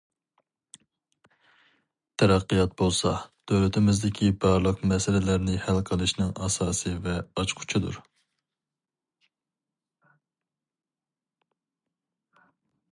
تەرەققىيات بولسا، دۆلىتىمىزدىكى بارلىق مەسىلىلەرنى ھەل قىلىشنىڭ ئاساسى ۋە ئاچقۇچىدۇر.